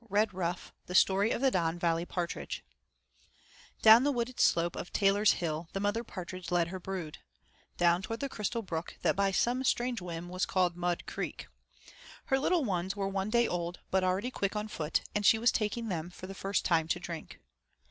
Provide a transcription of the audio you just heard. REDRUFF, The Story of the Don Valley Partridge I DOWN THE wooded slope of Taylor's Hill the Mother Partridge led her brood; down toward the crystal brook that by some strange whim was called Mud Creek. Her little ones were one day old but already quick on foot, and she was taking them for the first time to drink.